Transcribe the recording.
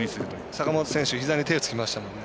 坂本選手、ひざに手をつきましたもんね。